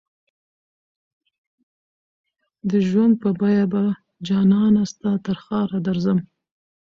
د ژوند په بیه به جانانه ستا ترښاره درځم